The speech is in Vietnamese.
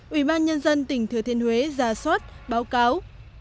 ủy ban nhân dân tỉnh thừa thiên huế ra soát báo cáo